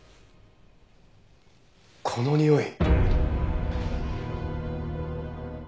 このにおい！